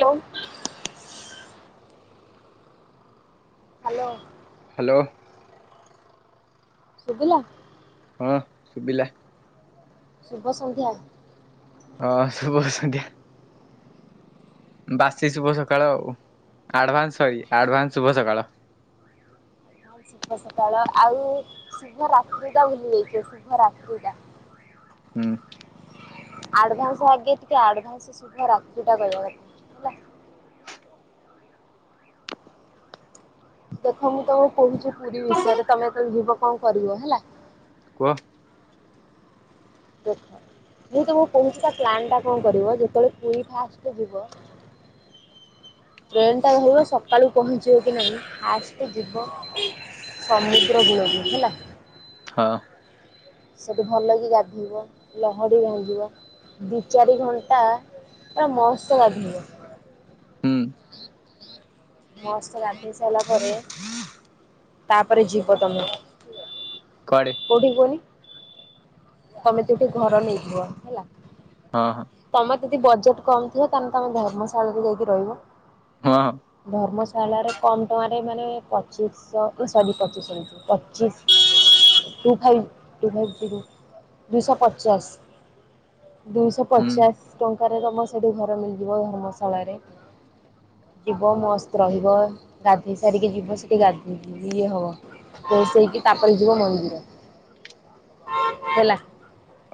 Hello. Hello. Hello. ଶୁଭିଲା? ହଁ ଶୁଭିଲା। ଶୁଭ ସନ୍ଧ୍ୟା। ହଁ ଶୁଭ ସନ୍ଧ୍ୟା। ବାସି ଶୁଭ ସକାଳ ଆଉ। ଆଡଭାନ୍ସ ସରି ଆଡଭାନ୍ସ ଶୁଭ ସକାଳ। ହ ହ ହଁ ଶୁଭ ସକାଳ। ଆଉ ଶୁଭ ରାତ୍ରିଟା ବୁଲି ଯାଇଛି ଶୁଭ ରାତ୍ରିଟା। ହ ହୁଁ। ଆଡଭାନ୍ସ ଆଗେ ଟିକେ ଆଡଭାନ୍ସ ସୁଦ୍ଧା ରାତ୍ରୀ ଟା ରହିବା କଥା ହେଲା। ଦେଖ ମୁଁ ତମକୁ କହୁଛିି ପୁରୀ ବିଷୟରେ, ତମେ ଯେତେବେଳେ ଯିବ କଣ କରିବ ହେଲା। କୁହ। ଦେଖ ମୁଁ ତମକୁ କହୁଚି ତା ପ୍ଲାନ୍ ଟା କଣ କରିବ, ଯେତେବେଳେ ପୁରୀ ଫାଷ୍ଟ ଯିବ ଟ୍ରେନ୍ ଟା ଧରିବ ସକାଳୁ ପହଞ୍ଚିବ କି ନାଇଁ ଫାଷ୍ଟେ ଯିବ ସମୁଦ୍ରକୂଳ ବି ହେଲା। ହଁ। ସେଇଠି ଭଲକି ଗାଧେଇବ, ଲହଡ଼ି ଭାଙ୍ଗିବ, ଦି ଚାରି ଘଣ୍ଟା ପୁରା ମସ୍ତ୍ ଗାଧେଇବ। ହୁଁ। ମସ୍ତ ଗାଧେଇ ସାରିଲା ପରେ ତାପରେ ଯିବ ତମେ କୁଆଡେ କୋଉଠିକି କୁହନି? ତମେ ଯୋଉଠି ଘର ନେଇଥିବ ହେଲା ହଁ ହଁ ତମର ଯଦି ବଜେଟ୍ କମ୍ ଥିବ ତାହେଲେ ତମେ ଧର୍ମଶାଳାରେ ଯାଇକି ରହିବ। ହଁ ଧର୍ମଶା ଶାଳାରେ କମ୍ ଟଙ୍କାରେ ମାନେ ପଚିଶହ ସରି ପଚିଶହ କହୁଛି ପଚିଶ two five two five zero ଦୁଇଶହ ପଚାଶ, ଦୁଇଶହ ହୁଁ ପଚାଶ ଟଙ୍କା ରେ ତମ ସେଠି ଘର ମିଳିଯିବ, ଧର୍ମଶାଳାରେ ଯିବ ମସ୍ତ ରହିବ, ଗାଧେଇ ସାରିକି ଯିବ, ସେଠି ଗାଧେ ଇଏ ହବ, ଫ୍ରେସ୍ ହେଇକି ତାପରେ ଯିବ ମନ୍ଦିର ହେଲା।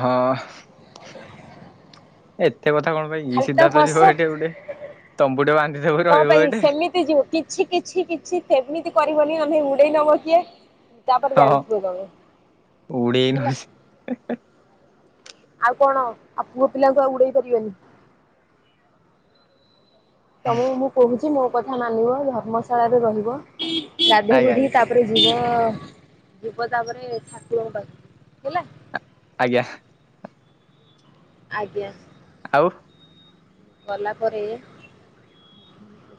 ହଁ। ଏତ୍ ଏତେ କଥା କଣ ପାଇଁ କି ଖାଲି ସିଧା ତ ହସ ଯିବ ସେଠି ଗୋଟେ ତମ୍ପୁଟେ ବାନ୍ଧିଦେବ କଣ ରହିବ ପାଇଁ ସେଠି। ସେମିତି ଯିବ କିଛି କିଛି କିଛି ସେମିତି କରିବନି, ନହେଲେ ଉଡେଇ ନବ କିଏ? ତାପରେ ହଁ ଜାଣିଥିବ ତମେ ଉଡେଇ ହେଲା। ନଉଛି ଆଉ କଣ ଆଉ ପୁଅ ପିଲାଙ୍କୁ ଆଉ ଉଡେଇ ପାରିବନି ତମକୁ ମୁଁ କହୁଛି ମୋ କଥା ମାନିବ ଧର୍ମଶାଳାରେ ରହିବ ଗାଧେଇ ଆଜ୍ଞା ପଡ଼ିବ ଆଜ୍ଞା ତାପରେ ଯିବ ହଁ ଯିବ ତାପରେ ଠାକୁରଙ୍କ ପାଖକୁ ହେଲା। ଆଜ୍ଞା। ଆଜ୍ଞା। ଆଉ ଗଲାପରେ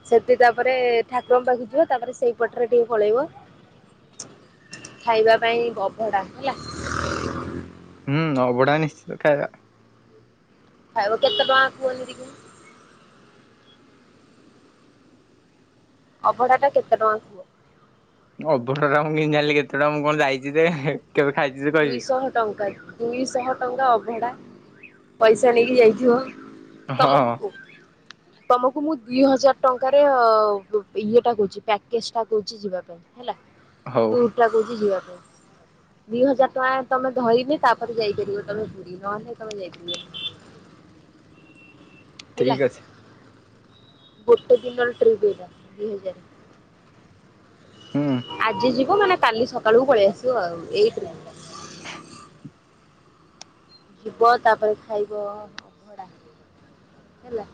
ସେଠି ତାପରେ ଠାକୁରଙ୍କ ପାଖକୁ ଯିବ, ତାପରେ ସେଇପଟରେ ଟିକେ ପଳେଇବ ଖାଇବା ପାଇଁ ଅଭଡା ହେଲା। ହୁଁ ଅଭଡ଼ା ନିଶ୍ଚିତ ଖାଇବା। ଖାଇବ କେତେ ଟଙ୍କାର କୁହନି ଟିକେ? ଅଭଢା ଟା କେତେ ଟଙ୍କା ଥିବ? ଅଭଢ଼ା ଟା ମୁଁ କେମିତି ଜାଣିଲି କେତେ ଟଙ୍କା। ମୁଁ କଣ ଯାଇଛି ଯେ ହେ। ଦୁଇଶହ ଟଙ୍କା ଦୁଇଶହ ଟଙ୍କା ଅବ୍ ଭଡ଼ା ପଇସା ନେଇକି ଯାଇଥିବ ତମକୁ ହଁ କ ତମକୁ ମୁଁ ଦୁଇ ହଜାର ଟଙ୍କାର ଇଏଟା ଦଉଚି ପ୍ୟାକେଜ ଟା ଦଉଚି ଯିବା ପାଇଁ। ହେଲା ହଉ ତୁ [unintelligible] କହୁଛି ଯିବା ପାଇଁ। ଦି ହଜାର ଟଙ୍କା ତମେ ଧରିଲେ ତାପରେ ଯାଇପାରିବ ତମେ ପୁରୀ ନହେଲେ ତମେ ଯାଇପାରିବନି। [inaudible] ହେଲା ଠିକ ଅଛି। ଗୋଟେ ଦିନର ଟ୍ରିପ ଏଇଟା ଦୁଇ ହଜାର। ହୁଁ ଆଜି ଯିବ ମାନେ କାଲି ସକାଳକୁ ପଳେଇ ଆସିବ ଆଉ ଏଇ ଟ୍ରିପ ଯିବ ତାପରେ ଖାଇବ ଅଭଡ଼ା ହେଲା।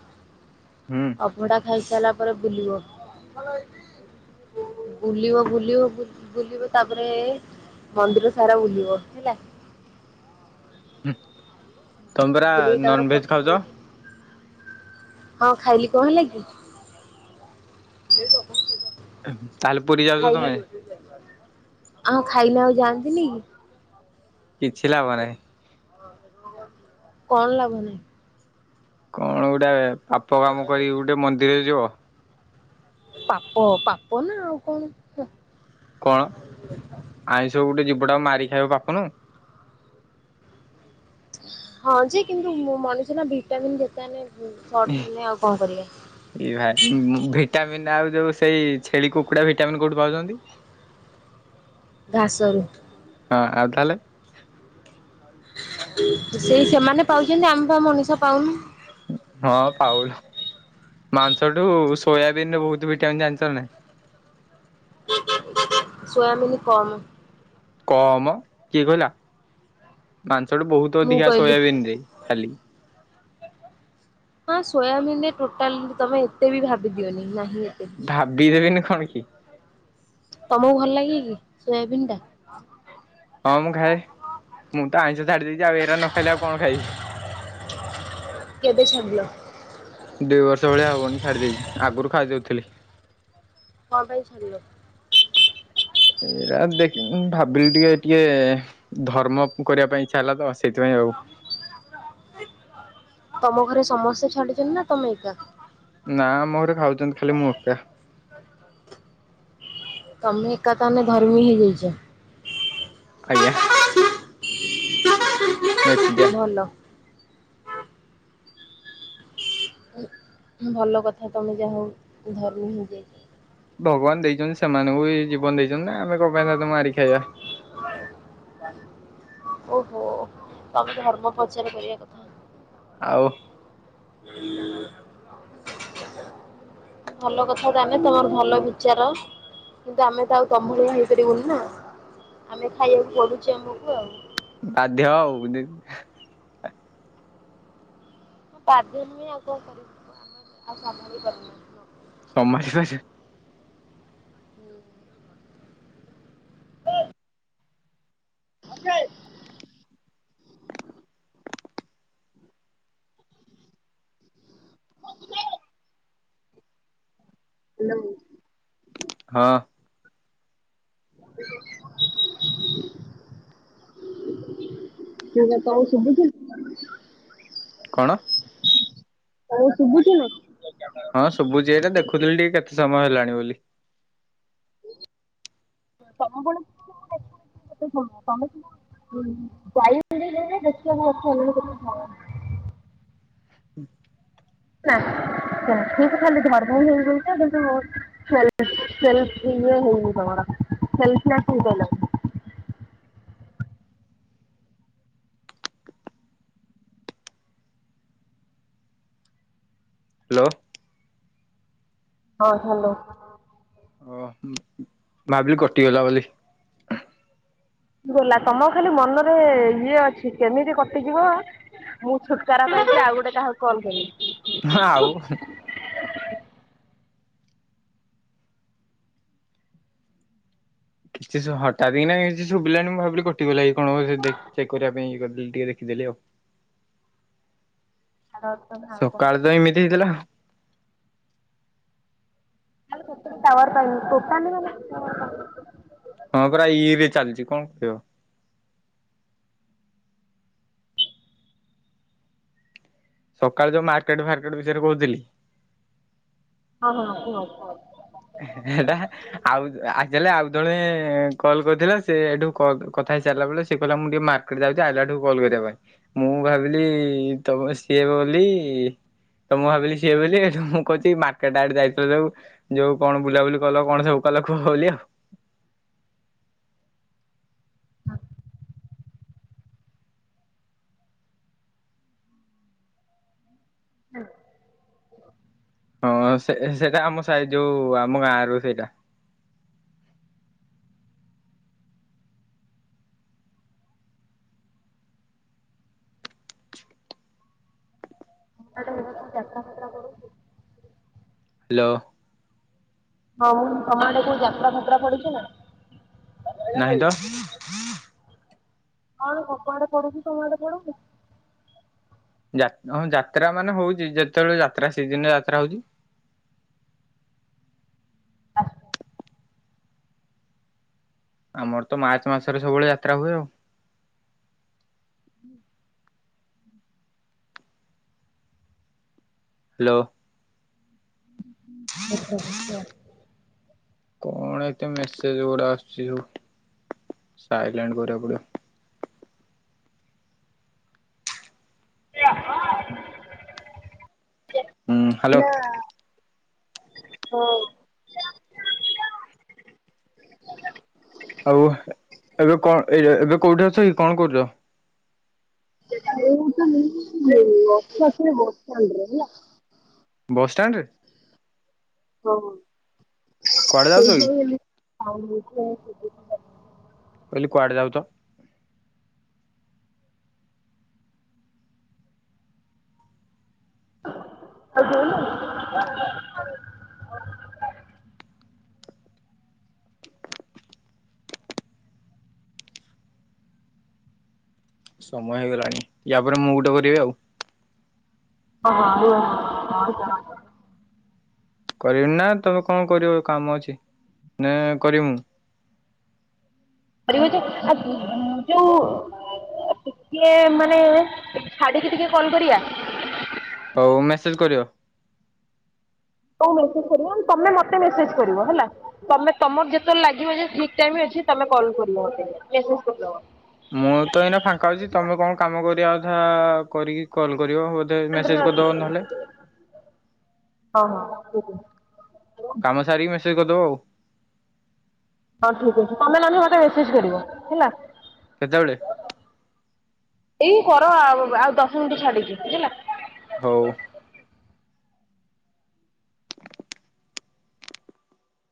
ହୁଁ ଅଭଡ଼ା ଖାଇସାରିଲା ପରେ ବୁଲିବ। ବୁଲିବ ବୁଲିବ ବୁଲିବ ତାପରେ ମନ୍ଦିର ସାରା ବୁଲିବ ହେଲା। ତମେ ପରା ବୁଲିକି ତାପରେ ନନ ଭେଜ ଫଟୋ ଖାଉଚ? ହଁ ଖାଇଲି କଣ ହେଲା କି। ତାହେଲେ ପୁରୀ ଯାଉଛ ଖାଇ ତମେ ଆଉ ଖାଇଲେ ଆଉ ଯାଆନ୍ତିନି କି? କିଛି ଲାଭ ନାହିଁ। କଣ ଲାଭ ନାହିଁ? କଣ ଗୋଟେ ପାପ କାମ କରି ଗୋଟେ ମନ୍ଦିରରେ ଯିବ। ପାପ ପାପ ନା ଆଉ କଣ। କଣ ଆଇଁଷ ଗୋଟେ ଯିବ ଟାକୁ ମାରି ଖାଇବା ପାପ ନୁହୁଁ। ହଁ ଯେ କିନ୍ତୁ ମୁଁ ମଣିଷ ନା ଭିଟାମିନ୍। [unintelligible] ଏ ହେଲେ ଆଉ କଣ କରିବା ଭାଇ ଭିଟାମି ନ୍ ଆଉ ଯୋଉ ସେଇ ଛେଳି କୁକୁଡା ଭିଟାମିନ୍ କୋଉଠି ପାଉଛନ୍ତି? ଘାସରୁ। ହଁ ଆଉ ତାହେଲେ। ସେଇ ସେମାନେ ପାଉଛନ୍ତି ଆମ ବା ମଣିଷ ପାଉନୁ। ହଁ ପାଉନ। ମାଂସଠୁ ସୋୟାବିନ ରେ ବହୁତ ଭିଟାମିନ ଜାଣିଚ ନା ନାଇଁ। ସୋୟାବିନ କମ୍। କମ କିଏ କହିଲା? ମାଂସଠୁ ବହୁତ ମୁଁ ଅଧିକା କହିଲି ସୋୟାବିିନ ରେ ଖାଲି। ହଁ ସୋୟାବିନରେ ଟୋଟାଲ ତମେ ଏତେ ବି ଭାବି ଦିଅନି। ନା ଭାବିଦେବିନି କଣ କି ତମକୁ ଭଲ ଲାଗେ କି ସୋୟାବିନ୍ ଟା? ହଁ ମୁଁ ଖାଏ। ମୁଁ ତ ଆଇଁଷ ଛାଡିଦେଇଛି ଆଉ ଏରା ନ ଖାଇଲେ ଆଉ କଣ ଖାଇବି। [inaudible] ଦି ବର୍ଷ ଭଳିଆ ହବନି ଛାଡି ଦେଇଛି ଆଗରୁ ଖାଇଦଉଥିଲି। କଣ ପାଇଁ ଛାଡ଼ିଲ? ଏଇରା ଦେ ମୁଁ ଭାବିଲି ଟିକେ ଟିକେ ଧର୍ମ କରିବା ପାଇଁ ଇଚ୍ଛା ହେଲା ତ। ସେଇଥିପାଇଁ ଆଉ। ତମ ଘରେ ସମସ୍ତେ ଛାଡିଛନ୍ତି ନା ତମେ ଏକା? ନା ମୋ ଘର ଖାଉଛନ୍ତି ଖାଲି ମୁଁ ଏକା। ତମେ ଏକା ତାହାଲେ ଧର୍ମି ହେଇଯାଇଚ। ଆଜ୍ଞା। ନାଇଁ ଏକୁଟିଆ। ଭଲ। ଭଲ କଥା ତମେ ଯା ହଉ ଧର୍ମୀ ହେଇ ଯାଇଛ। ଭଗବାନ ଦେଇଛନ୍ତି ସେମାନଙ୍କୁ ବି ଜୀବନ ଦେଇଛନ୍ତି ନା ଆମେ କ ପାଇଁ ତାଙ୍କୁ ମାରି ଖାଇବା। ହଁ ଓହୋ ତମେ ଧର୍ମ ପ୍ରଚାର କରିବା କଥା। ଆଉ। ହ ଭଲ କଥା ତାନେ ତମର ଭଲ ବିଚାର। କିନ୍ତୁ ଆମେ ତ ଆଉ ତମ ଭଳିଆ ହେଇ ପାରିବୁନି ନା ଆମେ ଖାଇବାକୁ ପଡୁଛି ଆମକୁ ଆଉ। ବାଧ୍ୟ ଆଉ ଦି ହଁ ବାଧ୍ୟ ନୁହେଁ ଆଉ କଣ କରିିବୁ କୁହ ଆମ ଆଉ ସମ୍ଭାଳି ପାରୁନୁ। ସମାଳି ପାରି ହୁଁ। ଆ ହା ଲୋ। ହଁ। ଠିକ ରେ ତମକୁ ଶୁଭୁଛି। କଣ। ତମକୁ ଶୁଭୁଛି ନା। ହଁ ଶୁଭୁଛି ଏଇଟା ଦେଖୁଥିଲି ଟିକେ କେତେ ସମୟ ହେଲାଣି ବୋଲି। ତମ ବେଳକୁ ମୁଁ ଦେଖିନଥିଲି କେତେ ସମୟ ତମେ। [unintelligible] ହୁଁ ନା କନଫିଉଜ ଖାଲି ଧର୍ମ [unintelligible] ସେଲଫ ଇଏ ହେଇନି ତମର ସେଲଫ ନାସ ହେଇପାରିଲାନି। ହାଲୋ। ହଁ ହାଲୋ। ଓ ଭାବିଲି କଟିଗଲା ବୋଲି। ଗଲା ତମର ଖାଲି ମନରେ ଇଏ ଅଛି କେମିତି କଟିଯିବ। ମୁଁ ଛୁଟକାରା ପାଇବି ଆଉ ଗୋଟେ କାହାକୁ କଲ କିରିବି। ହଁ ଆଉ ହୁଁ। କିଛି ଶୁ ହଠାତ କିନା କିଛି ଶୁଭିଲାନି ମୁଁ ଭାବିଲି କଟିଗଲା କି କଣ ବୋଧେ ଦେଖ ଚେକ୍ କରିବା ପାଇଁ ଇଏ କରିଦେଲି ଟିକେ ଦେଖି। ଦେଲି ଆଉ। ସକାଳେ ତ ଏମିତି ହେଇଥିଲା। ଆଲୋ ସତରେ ଟୱାର ପାଉନି ଟୋଟାଲ ମାନେ ଟାୱାର ପାଉନି। ହଁ ପରା ଇ ରେ ଚାଲିଛି କଣ କହିବ। ସକାଳେ ଯୋଉ ମାର୍କେଟ ଫାର୍କେଟ ବିଷୟରେ କହୁଥିଲି। ହଁ ହଁ ହଁ କୁହ କୁହ। ହେଟା ଆଉ ଆକଚୁଆଲି ଆଉ। ଜଣେ କଲ କରିଥିଲେ ସିଏ ହେଟୁ କ କଥା ହେଇ ସାରିଲା ବଳେ ସେ କଇଲା ମୁଁ ଟିକେ ମାର୍କେଟ୍ ଯାଉଛି ଆଇଲାଠୁ କଲ୍ କରିବି। ପାଇଁ ମୁଁ ଭାବିଲି ତମ ସିଏ ବୋଲି। ତ ମୁଁ ଭାବିଲି ସିଏ ବେଲି ହେଠୁ ମୁଁ କହୁଛି ମାର୍କେଟ ଆଡେ ଯାଇଥିଲ ଯୋଉ। ଯୋଉ କଣ ବୁଲା ବୁଲି କଲ କଣ ସବୁ କଲ କୁହ ବୋଲି ଆଉ। ହଁ ହଁ ସେ ସେଇଟା ଆମ ସାଇ ଯୋଉ ଆମ ଗାଁ ର ସେଇଟା। ତମ ସାଡେ ଗୋଟା କଣ ଯାତ୍ରା ଫାତ୍ର ପଡୁଛି। ହାଲୋ। ହଁ ମୁଁ ତମ ଆଡେ କୋଉ ଯାତ୍ରା ଫାତ୍ରା ପଡିଛି ନା। ନାହିଁ ତ। କଣ ସବୁଆଡେ ପଡୁଚି ତମ ଆଡେ ପଡୁନି। ଯା ହଁ ଯାତ୍ରା ମାନେ ହଉଚି ଯେତେବେଳେ ଯାତ୍ରା ସିଜିନରେ ଯାତ୍ରା ହଉଚି ଆମର ତ ମାର୍ଚ୍ଚ ମାସରେ ସବୁବେଳେ ଯାତ୍ରା ହୁଏ ଆଉ। ହାଲୋ। ଉଁ ହୁଁ ଉପଯୁକ୍ତ। କଣ ଏତେ ମେସେଜ ଗୁଡା ଆସୁଚି। ହୁ ସାଇଲେନଟେ କରିବାକୁ ପଡିବ। ହୁଁ ହ୍ୟାଲୋ ନା। ହଁ। ଆଉ ଏବେ କଣ ଏ ଏବେ କୋଉଠି ଅଛ କି କଣ କରୁଚ। ହୁଁ ନସିନ ପୁରୁ। ବସ ଷ୍ଟାଣ୍ଡରେ। ହଁ ଯାଉଛ କି? ସେଇଠି [unintelligible] ମୁଁ କହିଲି କୁଆଡେ ଯାଉଚ। ଆ ଦୋଉନ। ସମୟ ହେଇଗଲାଣି ୟା ପରେ ମୁଁ ଗୋଟେ କରିବି ଆଉ। ଓହୋ ଆହୁରି କଣ? କରିବିିନି ନା ତମେ କଣ କରିବ କାମ ଅଛି ନା କରିମି ମୁଁ। [unintelligible] ଆ ଯଉ ଟିକିଏ ମାନେ ଛାଡ଼ିକି ଟିକେ କଲ କରିବା। ହଉ ମେସେଜ କରିବ। ତମେ ମେସେଜ କରିବ ତମେ ମତେ ମେସେଜ କରିବ ହେଲା। ତମେ ତମର ଯେତେବେଳେ ଲାଗିବ ଯେ ଠିକ ଟାଇ ଅଛି। ତ ତମେ କଲ କରିବ ମତେ ମେସେଜ କରିବ ମ ମୁଁ ତ ଏଇନା ଫାଙ୍କା ଅଛି। ତମେ କଣ କାମ କରିବା କଥା କରିକି କଲ୍ କରିବ। ହ [unintelligible] ହଁ ହଁ ଶୁବୁଚି। କାମ ସାରିକି ମେସେଜ କରିଦବ ଆଉ। ହଁ ଠିକ ଅଛି ତମେ ନହଲେ ମୋତେ ମେସେଜ କରିବ ହେଲା। କେତେବେଳେ। ଏଇ କର ଆଉ ଆଉ ଦଶ ମିନିଟ ଛାଡିଛିି ବୁଝିଲ? ହଉ।